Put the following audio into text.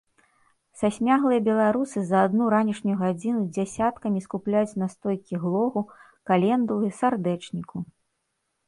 Сасмяглыя беларусы за адну ранішнюю гадзіну дзясяткамі скупляюць настойкі глогу, календулы, сардэчніку.